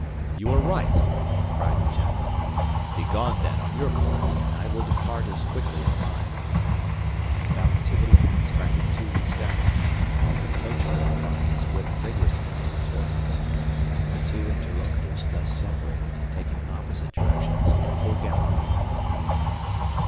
"You are right," cried the gentleman; "begone then, on your part, and I will depart as quickly on mine." And bowing to the lady, he sprang into his saddle, while her coachman applied his whip vigorously to his horses. The two interlocutors thus separated, taking opposite directions, at full gallop.